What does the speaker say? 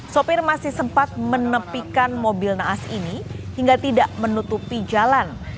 sopir masih sempat menepikan mobil naas ini hingga tidak menutupi jalan